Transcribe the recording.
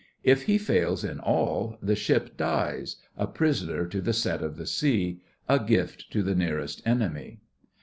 If he fails in all the ship dies—a prisoner to the set of the sea—a gift to the nearest enemy.